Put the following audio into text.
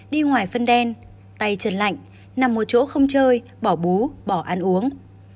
đi ngoài phân đen tay trần lạnh nằm một chỗ không chơi bỏ bú bỏ ăn uống